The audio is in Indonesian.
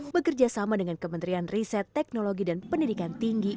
bekerjasama dengan kementerian riset teknologi dan pendidikan tinggi